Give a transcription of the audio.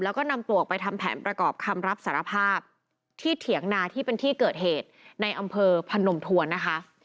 แล้วก็นำตัวออกไปทำแผนประกอบคำรับสารภาพที่เถียงนาที่เป็นที่เกิดเหตุในอำเภอพนมทวนนะคะ